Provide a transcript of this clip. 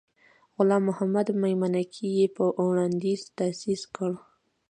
غلام محمد میمنګي یې په وړاندیز تأسیس کړ.